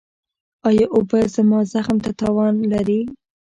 ایا اوبه زما زخم ته تاوان لري؟